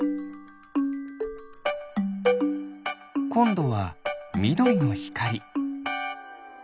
こんどはみどりのひかり。